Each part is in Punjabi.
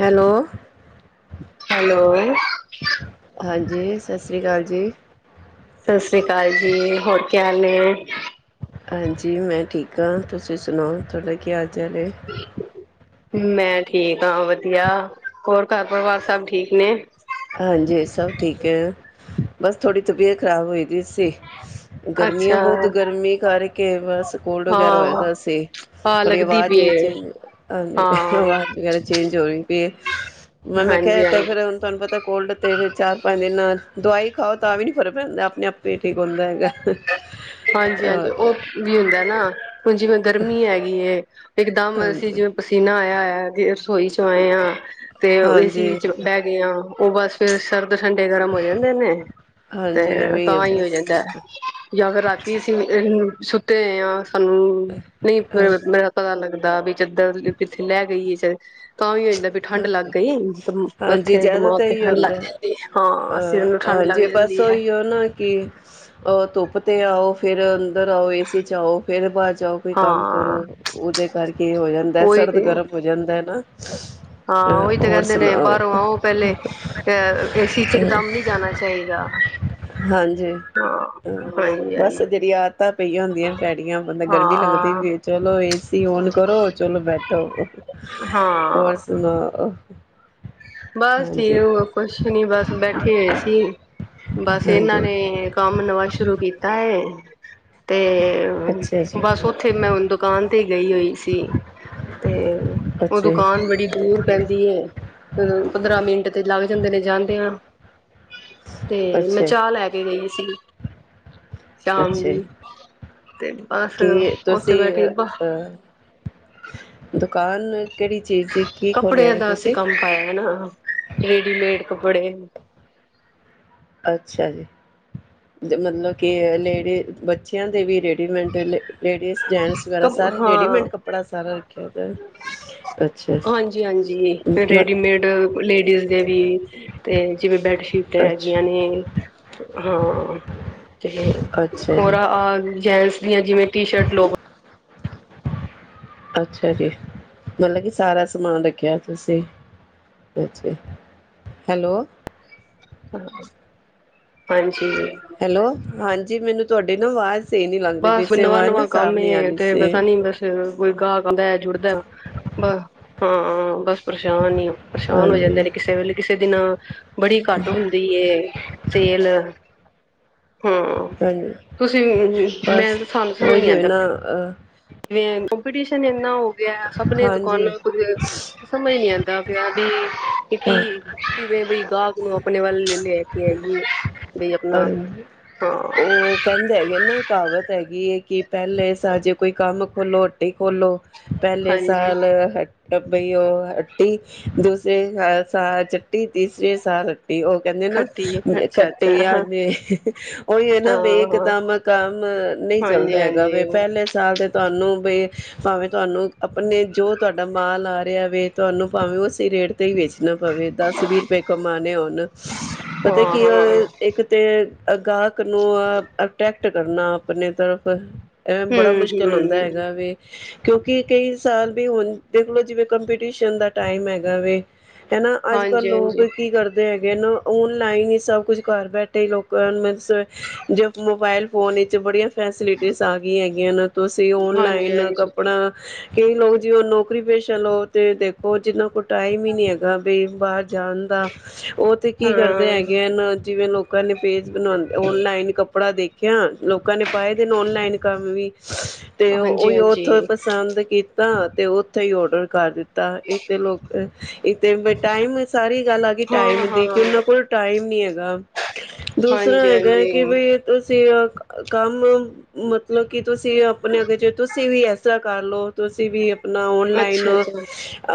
ਹੈਲੋ, ਹੈਲੋ ਹਾਂ ਜੀ ਸਤਿ ਸ਼੍ਰੀ ਅਕਾਲ ਜੀ। ਸਤਿ ਸ੍ਰੀ ਅਕਾਲ ਜੀ ਹੋਰ ਕੀ ਹਾਲ ਨੇ। ਹਾਂਜੀ, ਮੈਂ ਠੀਕ ਹਾਂ ਤੁਸੀਂ ਸੁਣਾਓ ਤੁਹਾਡਾ ਕੀ ਚਾਲ ਹੈ। ਮੈਂ ਠੀਕ ਹਾਂ ਵਧੀਆ ਹੋਰ ਘਰ ਪਰਿਵਾਰ ਸਭ ਠੀਕ ਨੇ, ਹਾਂਜੀ, ਸਭ ਠੀਕ ਹੈ ਬਸ ਥੋੜ੍ਹੀ ਤਬੀਅਤ ਖ਼ਰਾਬ ਹੋਈ ਦੀ ਸੀ। ਗਰਮੀਆਂ ਅੱਛਾ ਬਹੁਤ ਗਰਮੀ ਕਰਕੇ ਬਸ ਕੋਲਡ ਵਗੈਰਾ ਹੋਆ ਹਾਂ ਤਾਂ ਸੀ, ਹਾਂ ਪਰੀ ਲੱਗਦੀ ਆਵਾਜ਼ ਪਈ ਵੀ ਏ। ਚੇਂ ਹਾਂ, ਆਵਾਜ਼ ਵਗੈਰਾ ਚੇਂਜ ਹੋ ਰਹੀ ਪਈ ਮੈਂ ਮੈਂ ਹਾਂਜੀ ਕਿਹਾ ਤੇ ਹਾਂਜੀ ਫਿਰ ਹੁਣ ਤੁਹਾਨੂੰ ਪਤਾ। ਤੇ ਚਾਰ ਪੰਜ, ਦਵਾਈ ਖਾਓ, ਤਾਂ ਵੀ ਨੀ ਫਰਕ ਪੈਂਦਾ ਆਪਣੇ ਆਪੇ ਠੀਕ ਹੁੰਦਾ ਹੈਗਾ। ਹਾਂਜੀ-ਹਾਂਜੀ ਔਰ ਉਹ ਵੀ ਹੁੰਦਾ ਨਾ ਹੁਣ ਜਿਵੇ, ਗਰਮੀ ਹੈਗੀ ਐ। ਇਕਦਮ ਅਸੀਂ ਹਾਂਜੀ ਜਿਵੇਂ ਪਸੀਨਾ ਆਇਆ ਹੋਇਆ। ਰਸੋਈ ਚ ਆਏ ਆ। ਤੇ ਏਸੀ ਹਾਂਜੀ ਵਿੱਚ ਬਹਿ ਗਏ ਹਾਂ। ਉਹ ਬਸ ਫੇਰ ਸਰ ਉਧਰ ਠੰਡੇ ਗਰਮ ਹੋ ਜਾਂਦੇ ਨੇ ਤੇ ਹਾਂਜੀ ਐਵੇਂ ਆ ਤਾਂ ਹੀ ਹੋ ਜਾਂਦਾ। ਬਸ ਜਾਂ ਫਿਰ ਰਾਤੀ ਅਸੀਂ ਸੁਤੇ ਅ ਸਾਨੂੰ ਨਹੀਂ ਹਾਂਜੀ ਮੇਰਾ ਪਤਾ ਲੱਗਦਾ। ਦਾ ਵੀ ਚਦਰ ਪੱਥੇ ਲੈ ਗਈ। ਤਾਂ ਵੀ ਹੋ ਜਾਂਦਾ ਵੀ ਠੰਢ ਲੱਗ ਗਈ ਹਾਂਜੀ ਮੱਥੇ ਜਿਆਦਾ ਦਿਮਾਗ ਤੇ ਤਾਂਹੀ ਠੰਢ ਲੱਗ ਹੁੰਦਾ, ਜਾਂਦੀ ਹੈ ਹਾਂ ਸਿਰ ਅਹ ਨੂੰ ਠੰਢ ਲੱਗ ਹਾਂਜੀ ਬਸ ਜਾਂਦੀ ਹੈ ਉਹੀ ਉਹ ਨਾ ਕਿ ਉਹ ਧੁੱਪ ਅਤੇ ਆਓ ਫਿਰ ਅੰਦਰ ਆਓ ਏ ਸੀ ਚ ਆਓ, ਫਿਰ ਬਾਹਦ ਜਾਓ, ਕੋਈ ਕੰਮ ਹਾਂ ਕਰੋ ਉਹਦੇ ਕਰਕੇ ਹੋ ਜਾਂਦਾ ਉਹੀ ਸਰਦ ਤੇ ਗਰਮ ਹੋ ਜਾਂਦਾ ਹੈ ਨਾ। ਹਾਂ ਉਹੀ ਤੇ ਹੋਰ ਕਹਿੰਦੇ ਨੇ ਸੁਣਾਓ ਬਾਹਰੋਂ ਆਓ ਪਹਿਲੇ ਅ ਏਸੀ ਚ ਇੱਕ ਦਮ ਨਹੀਂ ਜਾਣਾ ਚਾਹੀਦਾ। ਹਾਂਜੀ ਹ ਹਾਂਜੀ ਬਸ ਹਾਂਜੀ ਜਿਹੜੀ ਆਦਤਾਂ ਪਈਆਂ ਹੁੰਦੀ। ਪੇਡੀਆਂ ਬੰਦਾ ਗਰਮੀ ਲੱਗਦੀ ਹਾਂ ਵੀ ਚਲੋ। ਟੀਵੀ ਓਨ ਕਰੋ ਚਲੋ ਬੈਠੋ ਹਾਂ ਹੋਰ ਸੁਣਾ? ਹ। ਬਸ ਠੀਕ ਕੁਛ ਨੀ ਬਸ ਬੈਠੇ ਹੋਏ ਸੀ ਬਸ। ਤੇ ਹਾਂਜੀ ਇਹਨਾਂ ਨੇ ਕੰਮ ਨਵਾਂ ਸ਼ੁਰੂ ਕੀਤਾ ਹੈ। ਹਮ। ਤੇ ਅੱਛਾ ਜੀ ਬਸ ਉਓਥੇ ਮੈਂ ਦੁਕਾਨ ਤੇ ਗਈ ਹੋਈ ਸੀ ਤੇ ਉਹ ਅੱਛਾ ਦੁਕਾਨ ਬੜੀ ਦੂਰ ਪੈਂਦੀ। ਪੰਦਰਾਂ ਮਿੰਟ ਤੇ ਲੱਗ ਜਾਂਦੇ ਨੇ ਜਾਂਦਿਆਂ। ਤੇ ਮੈਂ ਅੱਛਾ ਚਾਹ ਲੈ ਕੇ ਗਈ ਸੀ ਸ਼ਾਮ ਅੱਛਾ ਜੀ, ਦੀ ਤੇ ਬਸ ਕੀ ਉਓਥੇ ਤੁਸੀਂ ਬੈਠੀ। ਅ ਅ ਦੁਕਾਨ। ਕਿਹੜੀ ਚੀਜ਼ ਦੀ ਕੀ ਖੋਲਿਆ ਕੱਪੜਿਆਂ ਵੇ ਦਾ ਅਸੀਂ ਤੁਸੀਂ? ਕੰਮ ਪਾਇਆ ਹਨਾ ਰੇਡੀਮੇਡ। ਕੱਪੜੇ। ਅੱਛਾ ਜੀ ਮਤਲਬ ਕਿ ਲੇਡੀ ਬੱਚਿਆਂ ਦੇ ਵੀ ਰੇਡੀ ਲੇਡੀਜ਼ ਜੈਂਟਸ ਵਗੈਰਾ ਸਾਰੇ ਰੇਡੀਮੇਡ ਕਪੜਾ ਸਾਰਾ ਰੱਖ ਹਾਂਜੀ ਹਾਂਜੀ ਰੇਡੀਮੇਡ ਲੇਡੀਜ਼ ਦੇ ਵੀ ਤੇ ਜਿਵੇਂ ਬੈਡਸ਼ੀਟ ਅੱਛਾ, ਹੈਗੀਆਂ ਨੇ ਹਾਂ ਤੇ ਅੱਛਾ ਹੋਰ ਜੀ, ਜੇਂਟਸ ਜਿਵੇਂ ਟੀ ਸ਼ਰਟ ਲੋਅਰ ਅੱਛਾ ਜੀ ਮਤਲਬ ਕੀ ਸਾਰਾ ਸਮਾਨ ਰੱਖਿਆ ਤੁਸੀਂ ਹੈਲੋ। ਹ। ਹੈਲੋ। ਹਾਂਜੀ ਮੈਨੂੰ ਤੁਹਾਡੇ ਬਸ ਨਵਾਂ ਨਵਾਂ ਸਾਫ਼ ਕੰਮ ਨੀ ਆ ਰਹੀ ਤੇ ਸੀ। ਵੈਸਾ ਨੀ ਬਸ ਕੋਈ ਗਾਹਕ ਅਉਂਦਾ ਏ ਜੁੜਦਾ ਵ ਬਸ। ਹਾਂ ਬੱਸ। ਹੀ ਹੋ ਪਰੇਸ਼ਾਨ ਹੋ ਹਾਂਜੀ, ਜਾਂਦੇ ਨੇ ਕਿਸੇ ਵੇਲੇ ਕਿਸੇ ਦਿਨ [unintelligible] ਬੜੀ ਘੱਟ ਹੁੰਦੀ ਸੇਲ ਹਾਂ ਹਾਂਜੀ ਤੁਸੀਂ ਮੈਂ ਬਸ ਤਾਂ ਸਾਨੂੰ ਸਮਝ ਨਹੀਂ ਉਹੀ ਹੋਏ ਆਂਦਾ। ਨਾ ਅ [unintelligible] ਕੋਪਟੀਸ਼ਨ ਐਨਾ ਹੋ ਵਿਆਹ ਸਭ ਨੇ ਹਾਂਜੀ ਦੁਕਾਨਾਂ ਕੁਝ ਸਮਝ ਨੀ ਆਦਾ ਵਿਆਹ ਵੀ ਕਿ ਕੀ ਹਾਂ ਕਿਵੇਂ ਦੀ ਗਾਹਕ ਉਹ ਆਪਨੇ ਵੱਲ ਲਈ ਲੇਕੇ ਹੈਗੀ। ਹਾਂ, ਉਹ ਕਹਿੰਦੇ ਹੈਗੇ ਨਾ ਕਹਾਵਤ ਹੈਗੀ ਐ। ਕਿ ਪਹਿਲੇ ਸਾਜੇ ਕੋਈ ਕੰਮ ਖੋਲ੍ਹੋ ਹਟੀ ਖੋਲ੍ਹੋ। ਪਹਿਲੇ ਹਾਂਜੀ ਸਾਲ ਹ ਵੀ ਔ ਹੱਟੀ, ਦੂਸਰੇ ਸਾਲ ਚੱਟੀ, ਤੀਸਰੇ ਸਾਲ ਉਹ ਕਹਿੰਦੇ ਨਾ। ਖੱਟੀ ਹੈ ਅੱਛਾ ਅੱਛਾ ਹ ਹਾਂ ਜੇ ਉਹੀ ਹੈ ਨਾ ਵੀ ਹਾਂ ਹਾਂ ਇੱਕਦਮ ਕੰਮ ਨਹੀਂ ਚੱਲਦਾ ਹਾਂਜੀ ਹੈਗਾ, ਵੀ ਹਾਂਜੀ ਪਹਿਲੇ ਸਾਲ ਦੇ ਤੁਹਾਨੂੰ ਬਈ ਭਾਵੇਂ ਤੁਹਾਨੂੰ ਆਪਣੇ ਜੋ ਤੁਹਾਡਾ ਮਾਲ ਆ ਰਿਹਾ ਵੇ ਤੁਹਾਨੂੰ ਭਾਵੇਂ ਉਸੇ ਰੇਟ ਹੀ ਵੇਚਣਾ ਪਵੇ ਦਸ- ਵੀਹ ਰੁਪਏ ਕਮਾਣੇ ਹੋਣ ਹਾਂ ਪਤਾ ਕੀ ਹਾਂ ਐ। ਅ ਗਾਹਕ ਨੂੰ ਅੱਟ੍ਰੈਕਟ ਟ ਕਰਨਾ ਆਪਣੇ ਤਰਫ ਐਵੇਂ ਬੜਾ ਹਮ ਮੁਸ਼ਕਿਲ ਹੁੰਦਾ ਹਮ ਹੈਗਾ ਵੇ ਕਿਉਂਕਿ ਕਈ ਸਾਲ ਵੀ ਹੁਣ ਦੇਖਲੋ, ਜਿਵੇਂ ਕੰਪੀਟੀਸ਼ਨ ਦਾ ਟਾਈਮ ਹੈਗਾ ਵੇ। ਹਨਾ, ਅੱਜ- ਕੱਲ੍ਹ ਹਾਂਜੀ ਲੋਕ ਹਾਂਜੀ ਕੀ ਕਰਦੇ ਐ ਔਨਲਾਈਨ ਹੀ ਸਭ ਕੁਛ ਘਰ ਬੈਠੇ ਹੀ ਲੋਕਾਂ ਨੂੰ ਮਤਲ ਜੇ ਮੋਬਾਇਲ ਫੋਨ ਵਿੱਚ ਬੜੀਆਂ, ਫੈਸਿਲਿਟੀਜ਼ ਆ ਗਈਆਂ ਹੈਗੀਆਂ ਨੇ ਤੁਸੀਂ ਹਾਂਜੀ ਔਨਲਾਈਨ ਹਾਂਜੀ ਕੱਪੜਾ ਕਈ ਲੋਕ ਜਿਉਂ ਨੌਕਰੀ ਪੇਸ਼ਾ ਲਓ, ਤੇ ਦੇਖੋ ਜਿੰਨਾ ਕੋਲ ਟਾਈਮ ਹੀ ਨੀ ਹੈਗਾ ਬ ਬਾਹਰ ਜਾਣ ਦਾ ਉਹ ਤੇ ਕੀ ਕਰਦੇ ਹਾਂ ਹੈਗੇ ਹਨ ਨਾ। ਜਿਵੇਂ ਲੋਕਾਂ ਨੇ ਪੇਜ ਬਣਾਉਂਦੇ ਔਨਲਾਈਨ ਕੱਪੜਾ ਦੇਖ। ਕਿ ਲੋਕਾਂ ਨੇ ਪਾਏ ਦੇ ਨੇ ਔਨਲਾਈਨ ਕੰਮ ਵੀ, ਤੇ ਹਾਂਜੀ ਉਹੀ ਓਥੋਂ ਹਾਂਜੀ ਪਸੰਦ ਕੀ ਤਾਂ ਤੇ ਉੱਥੇ ਹੀ ਔਡਰ ਕਰ ਦਿੱਤਾ। ਤਾਂ ਇੱਥੇ ਲੋਕ ਇਕ ਤੇ ਟਾਈਮ ਸਾਰੀ ਗੱਲ ਆ ਗਈ ਟਾਈਮ ਹਾਂ ਦੀ, ਹਾਂ ਕਿ ਉਹਨਾਂ ਕੋਲ ਟਾਈਮ ਨੀ ਹੈਗਾ। ਦੂਸਰਾ ਹਾਂਜੀ ਹੈਗਾ ਕਿ ਹਾਂਜੀ ਬਈ ਤੇ ਕੰਮ ਮਤਲਬ ਕਿ ਤੁਸੀਂ ਆਪਣੇ ਅੱਗੇ ਚ ਤੁਸੀਂ ਵੀ ਐਸਾ ਕਰ ਲਓ ਤੁਸੀਂ ਵੀ ਔਨਲਾਈਨ, ਅੱਛਾ ਅੱਛਾ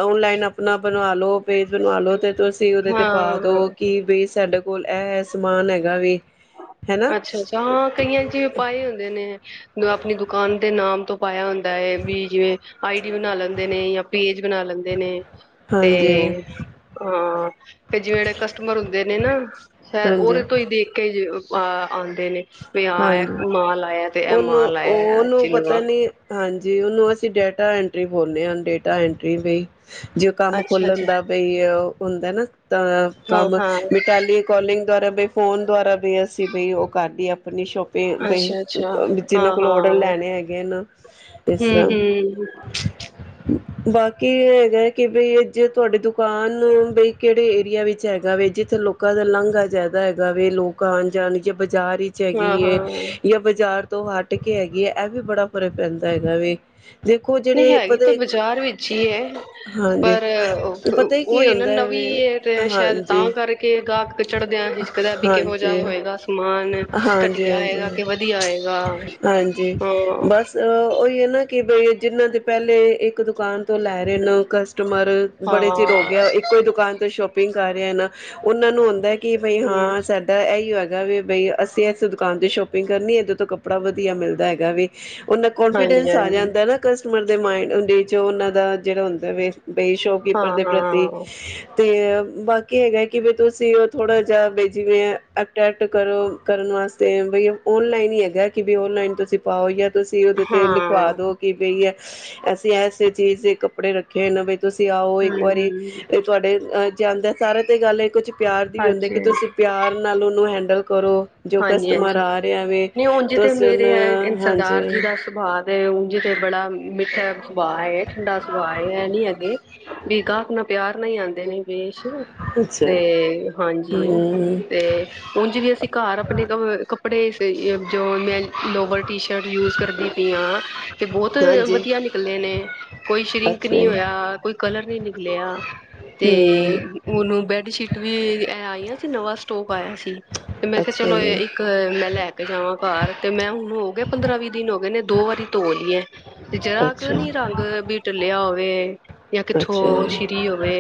ਔਨਲਾਈਨ - ਆਪਣਾ ਬਣਾ ਲਓ। ਪੇਜ ਬਣਵਾ ਲੋ ਤੇ ਤੁਸੀਂ ਉਹਦੇ ਤੇ ਪਾ ਦੋ ਹਾਂ ਕਿ ਬੇ ਸਡ ਕੋਲ ਐ ਸਮਾਨ ਹੈਗਾ ਵੀ। ਹਨਾ ਅੱਛਾ ਅੱਛਾ ਹਾਂ ਕਈਆਂ ਚਪਏ ਹੁੰਦੇ ਨੇ ਆਪਣੀ ਦੁਕਾਨ ਦੇ ਨਾਮ ਤੋਂ ਪਾਇਆ। ਵੀ ਜਿਵੇਂ ਆਈਡੀ ਬਣਾ ਲੈਂਦੇ ਨੇ ਜਾਂ ਪੇਜ ਬਣਾ ਲੈਂਦੇ ਨੇ ਤੇ ਹਾਂਜੀ ਹਾਂ ਤੇ ਜਿਵੇਂ ਜਿਹੜੇ ਕਸਟਮਰ ਹੁੰਦੇ ਨੇ ਨਾ ਉਹਦੇ ਹਾਂਜੀ ਤੋਂ ਹੀ ਦੇਖ ਕੇ ਅ ਆਉਂਦੇ ਨੇ ਪ ਹਾਂਜੀ ਆਹ ਮਾਂ ਆਾਇਆ ਤੇ ਇਹ ਉਹਨੂੰ ਮਾਂ ਲ ਆਇਆ ਹੈ ਚਨਆ ਜੀ ਉਹਨੂੰ ਅਸੀਂ ਡੇਟਾ ਐਂਟਰੀ ਬੋਲਦੇ ਹਨਾਂ ਡੇਟਾ ਐਂਟਰੀ ਵੀ ਜੇ ਉਹ ਕੰਮ ਖੋਲਣ ਅੱਛਾ-ਅੱਛਾ ਦਾ ਬਈ ਹੁੰਦਾ ਨਾ। ਅ ਕੰਮ ਹਾਂ-ਹਾਂ ਮਿਟੀ ਕੋਲਿੰਗ ਦੁਆਰਾ ਬਈ ਫੋਨ ਦੁਆਰਾ ਵੀ ਅਸੀਂ ਬਈ ਉਹ ਕਰਢ ਆਪ ਆਪਣੀ ਅੱਛਾ-ਅੱਛਾ ਸ਼ੋਪਿੰਗ ਜਿਹਨਾਂ ਕੋਲ ਹਾਂ-ਹਾਂ ਔਡਰ ਲੈਣੇ ਹੈਗੇ ਨੇ ਇਸ ਤਰ੍ਹਾਂ ਹੂੰ-ਹੂੰ ਬਾਕੀ ਹੈਗਾ ਕਿ ਬਈ ਅੱਜੇ ਤੁਹਾਡੀ ਦੁਕਾਨ ਬਈ ਕਿਹੜੇ ਏਰੀਆ ਵਿੱਚ ਹੈਗਾ ਵ ਜਿੱਥੇ ਲੋਕਾਂ ਦਾ ਲਾਂਘਾ ਜ਼ਿਆਦਾ ਹੈਗਾ ਵ ਲੋਕ ਆਉਣ ਜਾਣ ਜਾਂ ਬਾਜ਼ਾਰ ਚਾਗੀ ਹੈ ਹਾਂ-ਹਾਂ ਜਾਂ ਬਾਜ਼ਾਰ ਤੋਂ ਹੱਟ ਕੇ ਹੈਗੀ ਆ ਇਹ ਵੀ ਬੜਾ ਫਰਕ ਪੈਂਦਾ ਹੈਗਾ ਵੀ। ਨਹੀਂ ਹੈਗੀ ਤੇ ਬਾਜ਼ਾਰ ਵਿੱਚ ਹੀ ਹੈ ਹਾਂਜੀ ਪਰ ਪਤਾ ਹੀ ਕੀ ਉਹੀ ਨਾ ਹੁੰਦਾ ਵੇ ਨਵੀਂ ਤੇ ਸ਼ਾਇਦ ਹਾਂਜੀ ਤਾਂ ਕਰਕੇ ਗਾਹਕ ਚੜਦਿਆਂ ਹਿਚਕਦਾ ਵੀ ਕਿਹੋ ਜਿ ਹਾਂਜੀ ਹੋਏਗਾ ਸਮਾਨ ਹਾਂਜੀ ਘਟੀਆ ਆਏਗਾ ਹਾਂਜੀ ਕਿ ਵਧੀਆ ਆਏਗਾ ਹਾਂਜੀ ਹਾਂ ਬਸ ਉਹੀ ਹੈ ਨਾ ਕਿ ਗਏ ਜਿਹਨ੍ਹਾਂ ਦੇ ਪਹਿਲੇ ਇੱਕ ਦੁਕਾਨ ਤੋਂ ਲੈ ਰਹੇ ਨੇ ਕਸਟਮਰ ਬੜੇ ਚਿਰ ਹੋ ਹਾਂ ਗਿਆ ਇੱਕੋ ਹੀ ਦੁਕਾਨ ਤੋਂ ਸ਼ੋਪ [inaudible] ਕਰ ਰਿਹਾ ਨਾ ਉਹਨਾਂ ਨੂੰ ਕਿ ਬਈ ਹਮ ਹਾਂ ਸਾਡਾ ਇਹੀ ਆ। ਵੀ ਬਈ ਅਸੀਂ ਇਸ ਦੁਕਾਨ ਤੇ ਸ਼ੋਪਿੰਗ ਕਰਨੀ ਦੋਂ ਤੋਂ ਕੱਪੜਾ ਵਧੀਆ ਮਿਲਦਾ ਹੈਗਾ ਵੀ ਉਹ ਹਾਂਜੀ ਕੋਂਨਫੀਡੈਂਸ ਆ ਜਾਂ ਹਾਂਜੀ ਅੰਦਰ ਨਾ ਕਸਟਮਰ ਦੇ ਮਾਈਂਡਦੀ। ' ਉਹਨਾਂ ਦਾ ਜਿਹੜਾ ਹੁੰਦਾ ਵੇਸ ਬਈ ਸ਼ੋਪਕੀਪਰ ਹਾਂ ਦੇ ਪ੍ਰਤੀ ਹਾਂ ਤੇ ਬਾਕੀ ਹੈਗਾ ਕਿ ਤੁਸੀਂ ਉਹ ਥੋੜਾ ਜਹਾ ਜਿਵੇਂੈਕਟ ਕਰੋ ਕਰਨ ਵਾਸਤੇ ਵੀਈ ਔਨਲਾਈਨ ਹੀ ਹੈਗਾ ਕਿ ਵੀ ਔਨਲਾਈਨ ਤੁਸੀਂ ਪਾਓ ਜਾਂ ਤੁਸੀਂ ਉਹਦੇ ਹਾਂ ਤੇ ਲਿਖਵਾ ਹਮ ਦੋ ਕਿ ਬਈ ਅ ਅਸੀਂ ਐਸੇ ਚੀਜ਼ ਦੇ ਕੱਪੜੇ ਰੱਖੇ ਇਹਨਾਂ ਵਿੱਚ ਤੁਸੀਂ ਆਓ ਇੱਕ ਵਾਰੀ, ਹਮ ਹਾਂਜੀ ਤੁਹਾਡੇ ਅ ਜਾਂੰਦ ਸਾਰਾ ਤੇ ਗੱਲ ਹੈ ਕੁਝ ਪਿਆਰ ਦੀ ਵੀ ਹੁੰਦੇ ਕਿ ਹਾਂਜੀ ਤੁਸੀਂ ਪਿਆਰ ਨਾਲ ਉਹਨੂੰ ਹੈਂਡਲ ਕਰੋ। ਜੋ ਹਾਂਜੀ, ਕਸਟਮਰ ਹਾਂਜੀ ਆ ਰਿਹਾ ਵੇ ਨਹੀਂ ਉਂਝ ਤੇ ਤੁਸੀਂ ਮੇਰੇ ਹੈ ਉਹਨੂੰ ਹਾਂਜੀ ਸਰਦਾਰ ਜੀ ਦਾ ਸੁਭਾਅ ਵੇ ਉਂਝ ਤੇ ਬੜਾ ਮਿੱਠਾ ਸੁਭਾਅ ਏ ਠੰਡਾ ਸੁਭਾਅ ਏ ਇਹ ਨੀ ਅਗੇ ਵੀ ਗਾਹਕ ਨਾ ਪਿਆਰ ਨਈਂ ਆੰਦੇ ਨੀ ਵੇਸ਼ [unintelligible] ਅੱਛਾ ਤੇ ਹਾਂਜੀ ਹੂੰ ਤੇ ਉਝ ਵੀ ਅਸੀਂ ਘਰ ਕਪੜੇ ਜੋ ਮੈਂ ਲੋਵਰ ਟੀ- ਸ਼ਰਟ ਯੂਜ ਕਰਦੀ ਪਈ ਆ ਏ ਬਹੁਤ ਹਾਂਜੀ ਵਧੀਆ ਨਿਕਲੇ ਨੇ। ਕੋਈ ਸ਼ਰਿੰਕ ਅੱਛਾ ਜੀ ਨਹੀਂ ਹੋਇਆ ਕੋਈ ਕਲਰ ਵੀ ਨਿਕਲਿਆ। ਤੇ ਹੂੰ ਉਹਨੂੰ ਬੈਠ ਬ ਸ਼ੀਟ ਵੀ ਆਈਆਂ ਸੀ, ਨਵਾਂ ਸਟੋਕ ਆਇਆ ਸੀ। [unintelligible] ਅੱਛਾ ਚਲੋ ਜੀ ਇੱਕ ਮੈਂ ਲੈ ਕੇ ਜਾਵਾਂ ਬਾਹਰ ਤੇ ਮੈਂ ਹੁਣ ਹੋ ਗਿਆ ਪੰਦਰਾਂ ਵੀਹ ਦਿਨ ਹੋ ਗਏ ਨੇ ਦੋ ਵਾਰੀ ਧੋ ਲਈ ਏ। ਤੇ ਜਰਾ ਕੁ ਅੱਛਾ ਨੀ ਰੰਗ ਬਿ ਟਲਿਆ ਹੋਵੇ। [unintelligible] ਵੇ ਜਾਂ ਅੱਛਾ ਕਿੱਥੋਂ ਜੀ ਸ਼੍ਰਿੰਕ ਹੋਵੇ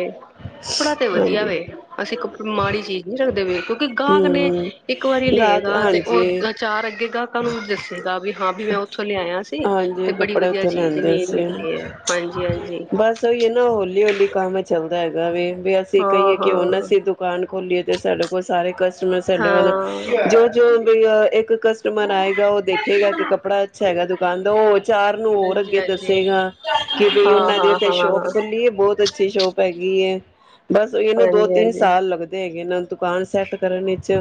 ਕੱਪੜਾ ਤੇ ਵਧੀਆ ਹਾਂਜੀ ਵੇ ਅਸੀਂ ਕ ਮਾੜੀ ਚੀਜ਼ ਨਹੀਂ ਰੱਖਦੇ ਪ [unintelligible] ਕਿਉਂਕਿ ਗਾਹਕ ਨੇ ਹੂੰ ਇੱਕ ਵਾਰੀ ਗਾਹਕ ਲਏਗਾ ਤੇ ਹਾਂਜੀ, ਉਹ ਚਾਰ ਅੱਗੇ ਗਾਹਕਾਂ ਨੂੰ ਵੀ ਦੱਸੇਗਾ ਵੀ ਹਾਂ ਵੀ ਮੈਂ ਉੱਥੋਂ ਲਿਆਇਆ ਸੀ ਹਾਂਜੀ ਤੇ ਬੜੀ ਕੱਪੜੇ ਵਧੀਆ ਉੱਥੇ ਚੀਜ਼ ਲਿਆਂਦੇ ਨੇ ਸੀ ਨਿਕਲੀ ਹੈ ਹਾਂਜੀ ਹਾਂਜੀ ਬਸ ਉਹੀ ਹੈ ਨਾ ਹੌਲੀ ਹੌਲੀ ਕੰਮ ਚੱਲਦਾ ਹੈਗਾ ਵੇ। ਵਿ ਅਸੀਂ ਹਾਂ ਕਹੀਏ ਕਿ ਹੂਨ ਹਾਂ ਅਸੀ ਦੁਕਾਨ ਖੋਲੀਏ ਤੇ ਸਾਡੇ ਕੋਲ ਸਾਰੇ ਕ [unintelligible] ਸਾਡੇ ਵਲ ਹਾਂ ਹਾਂਜੀ ਜੋ ਜੋ ਇੱਕ ਕਸਟਮਰ ਆਏਗਾ ਉਹ ਦੇਖੇਗਾ ਕਿ ਕੱਪੜਾ ਅੱਛਾ ਹੈਗਾ ਤੇ ਉਹ ਚਾਰ ਨੂੰ ਹੋਰ ਅੱਗੇ ਹਾਂਜੀ ਦੱਸੇਗਾ ਕਿ ਬਈ ਹਾਂ ਉਹਨਾਂ ਦੀ ਹਾਂ ਉੱਥੇ ਹਾਂ ਸ਼ੋਪ ਖੁੱਲੀ ਏ ਬਹੁਤ ਅੱਛੀ ਸ਼ੋਪ ਹੈਗੀ ਏ। ਤੇ ਬਸ ਉਹ ਹੀ ਨਾ ਦੋ ਹਾਂਜੀ ਤਿੰਨ ਹਾਂਜੀ ਸਾਲ ਲੱਗਦੇ ਹੈਗੇ ਨਾਂ ਦੁਕਾਨ ਸੈਟ ਕਰਨ ਵਿਚ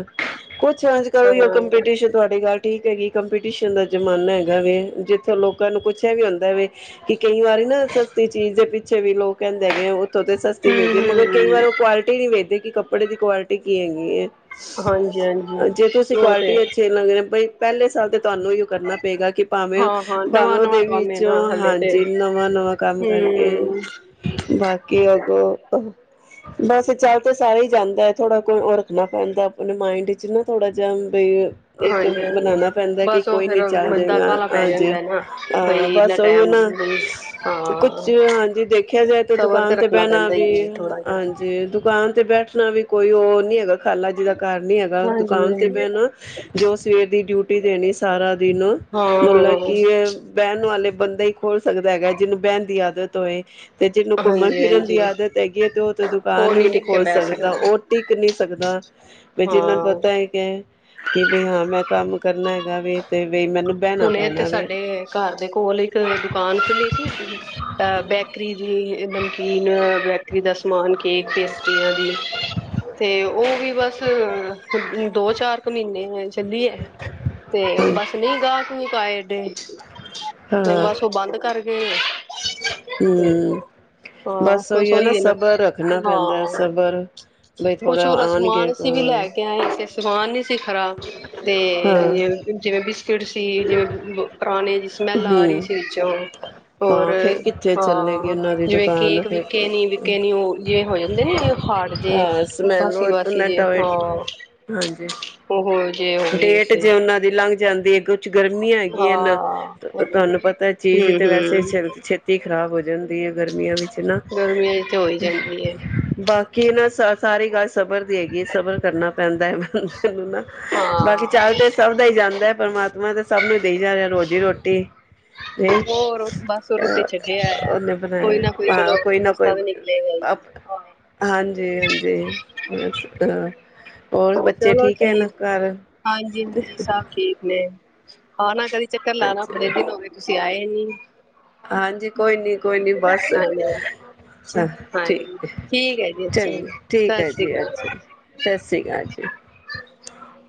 ਕੁਛ ਅਜ ਕਰ ਹਾਂ ਹੂੰ-ਹੂੰ ਕੰਪੀਟੀਸ਼ਨ ਤੁਹਾਡੇ ਗੱਲ [unintelligible] ਠੀਕ ਹੈਗੀ ਕੰਪੀਟੀਸ਼ਨ ਦਾ ਜ਼ਮਾਨਾ ਹੈਗਾ ਵੇ ਜਿੱਥੋਂ ਲੋਕਾਂ ਨੂੰ ਕੁੱਛ ਇਹ ਵੀ ਹੁੰਦਾ ਵੇ ਕਿ ਕਈ ਵਾਰੀ ਨਾ ਸਸਤੀ ਚੀਜ਼ ਪਛੇ ਵੀ ਲੋਕ ਕਹਿੰਦੇ ਹੈਗੇ ਆ ਹੋਰ ਉਥੇ ਸਸਤੀ ਮਿਲਦੀ ਹੈ ਮਗਰ ਕਈ ਵਾਰ ਉਹ ਕੁਆਲਟੀ ਨਹੀਂ ਵੇਖਦੇ ਕਿ ਕੱਪੜੇ ਦੀ ਕੁਆਲਿਟੀ ਕੀ ਹੈਗੀ ਏ ਹਾਂਜੀ-ਹਾਂਜੀ ਜੇ ਤੁਸੀਂ ਉਹ ਤੇ ਕੁਆਲਿਟੀ ਅੱਛੇ ਲੱਗ ਬਈ ਪਹਿਲੇ ਸਾਲ ਤੇ ਤੁਹਾਨੂੰ ਉਈ ਓ ਕਰਨਾ ਪਏਗਾ ਕਿ ਬਵੇਂ ਹਾਂ-ਹਾਂ ਨਵਾਂ-ਨਵਾਂ ਦੇਵੀ ਕੰਮ ਏ ਨਾ ਚੋਂ ਹਲੇ ਤੇ ਹਾਂਜੀ ਨਵਾਂ-ਨਵਾਂ ਕੰਮ ਕਰਕੇ ਹੂੰ ਬਾਕੀ ਅਗੋਂ ਬਸ ਚੱਲ ਤਾਂ ਸਾਰੇ ਹੀ ਜਾਂਦਾ ਹੈ। ਥੋੜ੍ਹਾ ਕੋ ਉਹ ਰੱਖਣਾ ਪੈਂਦਾ ਆਪਣੇ ਮਾਇੰਡ ਚ ਨਾ ਥੋੜਾ ਜਿਆ ਬਈ ਇੱਕ ਹਾਂਜੀ-ਹਾਂਜੀ ਬਣਾਣਾ ਪੈਂਦਾ ਕਿ ਬਸ ਉਹ ਕੋਈ ਨਹੀਂ ਫੇਰ ਚੱਲ ਬੰਦਾ ਜਾਵੇਗਾ ਕਾਹਲਾ ਪੈ ਹਾਂਜੀ। ਜਾਂਦਾ ਨਾ ਹਾਂ ਬਈ ਇੰਨਾ ਬਸ ਉਹੀ ਟੈਮ ਨਾ ਬਈ ਕੁਛ, ਹਾਂ ਹਾਂਜੀ ਦੇਖਿਆ ਜਾਏ ਤੇ ਸਬਰ ਦੁਕਾਨ ਤੇ ਰੱਖਣਾ ਪੈਣਾ ਪੈਂਦਾ ਵੀ ਈ ਏ ਥੋੜਾ ਜਾ ਹਾਂਜੀ ਦੁਕਾਨ ਤੇ ਬੈਠ ਉਸ ਵੀ ਕੋਈ ਉਹ ਨੀ ਹੈਗਾ ਖਾਲਾ ਜਿ ਦਾ ਕਾਰ ਨ ਹੈਗਾ ਦੁਕਾਨ ਤੇ ਹਾਂਜੀ ਬੈਣਾ ਜੋ ਸਵੇਰ ਦੀ ਡਿਊਟੀ ਦੇਣੀ ਸਾਰਾ ਦਿਨ ਮਤਲਬ ਹਾਂ-ਹਾਂ ਕਿ ਇਹ ਬਹਿਣ ਵਾਲੇ ਬੰਦਾ ਹੀ ਖੋਲ ਸਕਦਾ ਹੈਗਾ ਜਿਹਨੂੰ ਬਹਿਣ ਦੀ ਆਦਤ ਹੋਏ ਤੇ ਜਿਹਨੂੰ ਘੁੰਮਣ ਫਿਰਨ ਹਾਂਜੀ-ਹਾਂਜੀ ਦੀ ਆਦਤ ਹੈਗੀ ਹੈ ਤੇ ਹ ਤੇ ਦੁਕਾਨ ਉਹ ਵੀ ਨੀ ਟਿੱਕ ਕੇ ਖੋਲ ਬਹਿ ਸਕਦਾ, ਉਹ ਟਿੱਕ ਨੀ ਸਕਦਾ ਬੀ ਜਿਨਾਂ ਨੂੰ ਹਾਂ ਪਤਾ ਹੈਗਾ ਕਿ ਬਈ ਹਾਂ ਮੈਂ ਕੰਮ ਕਰਨਾ ਹੈਗਾ ਵੀ ਤੇ ਵੀ ਮੈਨੂੰ ਬਹਿਣਾ ਮ ਇੱਥੇ ਪੈਣਾ ਵੇ ਸਾਡੇ ਘਰ ਦੇ ਕੋਲ ਇੱਕ ਦੁਕਾਨ ਖੁੱਲੀ ਸੀ ਅਹ ਬੇਕਰੀ ਦੀ ਨਮਕੀਨ ਬੈਕਰੀ ਦਾ ਸਮਾਨ ਕੇਕ ਪੇਸਤਰੀਆਂ ਦੀ ਤੇ ਉਹ ਵੀ ਬਸ ਦੋ ਚਾਰ ਕੁ ਮਹੀਨੇ ਹੈ ਚੱਲੀ ਹੈ ਤੇ ਹਾਂ ਬਸ ਨਹੀਂ ਗਾਹ [unintelligible] ਤੇ ਹਾਂ ਬਸ ਉਹ ਬੰਦ ਕਰ ਹਮ। ਹਮ ਬਸ ਉਹੀ ਹੈ ਨਾ ਸਬਰ ਰੱਖਣਾ ਪੈਂਦਾ ਹੈ ਹਾਂ ਸਬਰ ਬਈ ਕੁਛ ਥੋੜ੍ਹਾ ਹੋਰ ਆਣਗੇ ਸਮਾਨ ਅਸੀਂ ਵੀ ਲੈ ਕੇ ਆਏ ਸੀ ਸਮਾਨ ਨੀ ਸੀ ਖ਼ਰਾਬ ਤੇ ਹਮ ਜਿਵੇਂ ਬਿਸ ਤੇ ਜਿਵੇਂ ਪੁਰਾਣੇ ਸਮੈਲ ਆ ਰਹੀ ਸੀ ਵਿੱਚੋਂ ਰੋਰ ਹਾਂ ਫੇਰ ਕਿੱਥੇ ਚੱਲੇਗੀ ਹਾਂ ਉਹਨਾਂ ਦੀ ਜਿਵੇਂ ਦੁਕਾਨ ਕੇਕ ਫਿਰ ਵਿਕੇ ਨੀ ਵਿਕੇ ਨੀ ਉਹ ਜਿਵੇਂ ਹੋ ਜਾਂਦੇ ਨੀ ਹਾਰਟ ਜੇ ਹਾਂ ਸਮੈਲ ਬਾਸੀ ਬਾਸੀ ਉਹਨਾਂ ਜੇ ਟੋਏ ਹਾਂ ਹਾਂਜੀ ਜੇ ਹੋ ਗਏ ਡੇਟ ਸੀ ਜੇ ਉਹਨਾਂ ਦੀ ਲੰਘ ਜਾਂਦੀ ਏ ਇੱਕ ਗਰਮੀਆਂ ਹੈਗੀਆਂ ਨ ਹਾਂ ਤੁਹਾਨੂੰ ਪਤਾ ਹਮ ਚੀਜ਼ ਤੇ ਵੈਸੇ ਹਮ ਛ ਛੇਤੀ ਖਰਾਬ ਹੋਜਣ ਗਰਮੀਆਂ ਵਿੱਚ ਨਾ ਗਰਮੀਆਂ ਚ ਤੇ ਹੋਈ ਜਾਂਦੀ ਹੈ ਬਾਕੀ ਨਾ ਸਾ ਸਾਰੀ ਗੱਲ ਸਬਰ ਦੀ ਹੈਗੀ ਹੈ, ਸਬਰ ਕਰਨਾ ਪੈਂਦਾ ਹੈ, ਮੈ ਮੈਨੂੰ ਨਾ ਬਾਕੀ ਹਾਂ ਚੱਲ ਤੇ ਸਭ ਦਾ ਹੀ ਜਾਂਦਾ ਹੈ ਪਰਮਾਤਮਾ ਤੇ ਸਭ ਨੂੰ ਦੇਈ ਜਾ ਰਿਹਾ ਰੋਜ਼ੀ ਰੋਟੀ ਨਹੀਂ ਹੋਰ ਬਸ ਉਹਦੇ ਤੇ ਛੱਡਿਆ ਹੈ। ਉਹਨੇ ਕੋਈ ਬਣਾਇਆ ਨਾ ਚਲੋ ਹਾਂ ਕੋਈ ਨਾ ਰਸਤਾ ਕੋਈ ਤਾਂ ਨਿਕਲੇਗਾ ਹੀ ਹਾਂ ਹਾਂਜੀ-ਹਾਂਜੀ ਬ ਅ ਹੋਰ ਬੱਚੇ ਠੀਕ ਹੈ ਨਾ ਹਾਂਜੀ-ਹਾਂਜੀ ਸਭ ਠੀਕ ਨੇ ਆ ਨਾ ਕਦੀ ਚੱਕਰ ਲਾਉਣਾ ਬੜੇ ਦਿਨ ਹੋਏ ਤੁਸੀਂ ਆਏ ਨੀ ਹ ਹਾਂਜੀ ਕੋਈ ਨੀ ਕੋਈ ਨੀ ਬਸ ਹਾਂਜੀ ਹਾਂਜੀ ਠੀਕ ਠੀਕ ਹੈ ਜੀ ਅੱਛਾ ਚੰ ਜੀ ਠੀਕ ਸਤਿ ਹੈ ਸ਼੍ਰੀ ਜੀ ਅਕਾਲ ਅੱਛਾ ਜ ਸਤਿ ਸ੍ਰੀ ਅਕਾਲ ਜੀ ਹਾਂ